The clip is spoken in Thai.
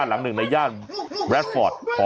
ใช้เมียได้ตลอด